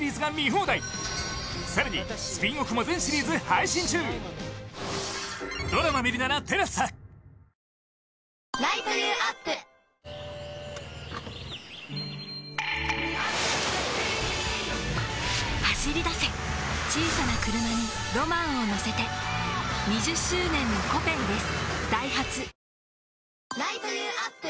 走り出せ小さなクルマにロマンをのせて２０周年の「コペン」です